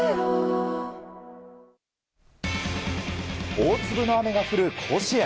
大粒の雨が降る甲子園。